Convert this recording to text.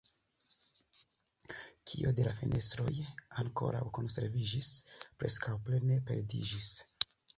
Kio de la fenestroj ankoraŭ konserviĝis, preskaŭ plene perdiĝis.